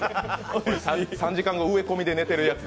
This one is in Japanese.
３時間後、植え込みで寝てるやつ。